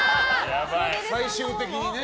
最終的にね。